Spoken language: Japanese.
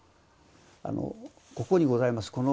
ここにございます